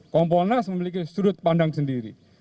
kompolnas memiliki sudut pandang sendiri